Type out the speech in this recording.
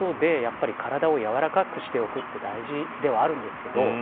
体を軟らかくしておくって大事ではあるんですけど